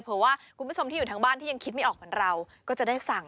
ว่าคุณผู้ชมที่อยู่ทางบ้านที่ยังคิดไม่ออกเหมือนเราก็จะได้สั่ง